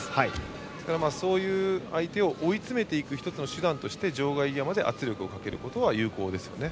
そういう相手を追い詰める１つの手段として場外際まで圧力をかけることは有効ですよね。